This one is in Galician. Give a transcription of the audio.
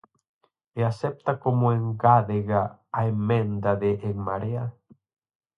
¿E acepta como engádega a emenda de En Marea?